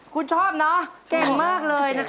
คุณชอบเนาะเก่งมากเลย